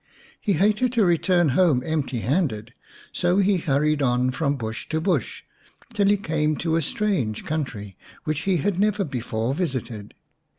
He hated to return home empty handed, so he hurried on from bush to bush till he came into a strange country, which he had never before visited.